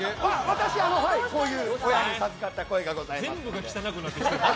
私、こういう授かった声がございますので。